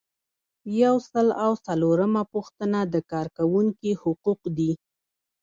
یو سل او څلورمه پوښتنه د کارکوونکي حقوق دي.